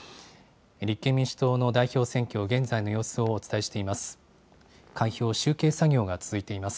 立憲民主党の代表選挙、現在の様子をお伝えしています。